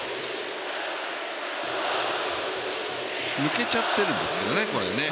抜けちゃってるんですよねこれね。